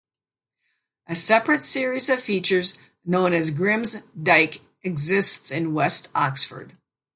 A separate series of features known as Grim's Dyke exists in West Oxford.